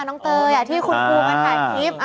น้องเตยที่คุณครูมาถ่ายคลิป